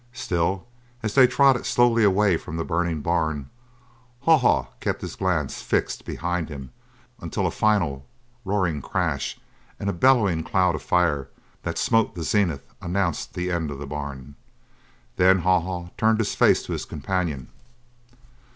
Still, as they trotted slowly away from the burning barn, Haw Haw kept his glance fixed behind him until a final roaring crash and a bellying cloud of fire that smote the zenith announced the end of the barn. Then Haw Haw turned his face to his companion.